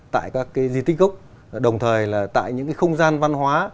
tại các di tích gốc đồng thời là tại những không gian văn hóa